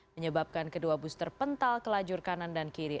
menyebabkan kedua bus terpental ke lajur kanan dan kiri